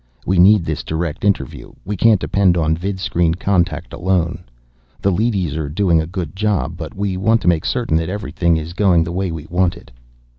We need this direct interview; we can't depend on vidscreen contact alone. The leadys are doing a good job, but we want to make certain that everything is going the way we want it."